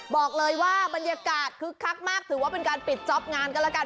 บรรยากาศคึกคักมากถือว่าเป็นการปิดจ๊อปงานก็แล้วกัน